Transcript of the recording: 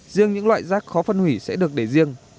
riêng những loại rác khó phân hủy sẽ được để riêng